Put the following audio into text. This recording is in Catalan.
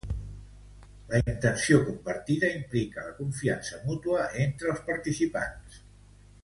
Alonso afirma que la intenció compartida implica la confiança mútua entre els participants.